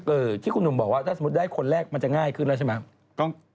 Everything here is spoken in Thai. ที่คุณหนุ่มบอกว่าถ้าสมมุติได้คนแรกมันจะง่ายขึ้นแล้วใช่ไหม